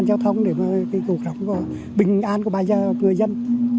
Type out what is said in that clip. chúng ta cần những người để đảm bảo an toàn cho bình an của bà gia và người dân